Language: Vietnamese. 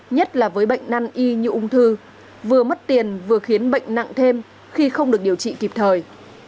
nhất là với bệnh năn y như ung thư vừa mất tiền vừa khiến bệnh nặng thêm khi không được điều trị kịp thời